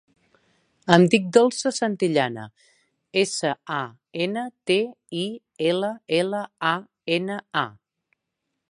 Em dic Dolça Santillana: essa, a, ena, te, i, ela, ela, a, ena, a.